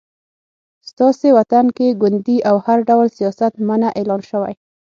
ستاسې وطن کې ګوندي او هر ډول سیاست منع اعلان شوی